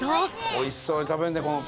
おいしそうに食べるねこの子。